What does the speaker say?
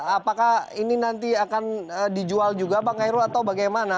apakah ini nanti akan dijual juga bang kairul atau bagaimana